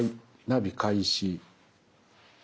ナビ開始。